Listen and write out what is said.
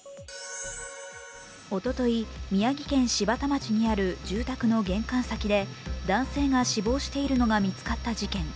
おととい、宮城県柴田町にある住宅の玄関先で男性が死亡しているのが見つかった事件。